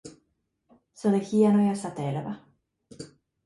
Se oli hieno ja säteilevä.